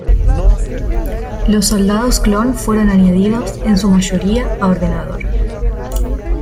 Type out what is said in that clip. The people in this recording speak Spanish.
Los soldados clon fueron añadidos en su mayoría a ordenador.